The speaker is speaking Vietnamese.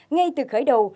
ngay từ khởi đầu